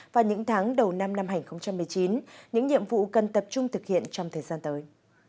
và những tháng đầu năm hai nghìn một mươi chín những nhiệm vụ cần tập trung thực hiện trong thời gian tới